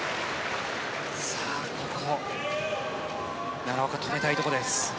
ここ、奈良岡は止めたいところです。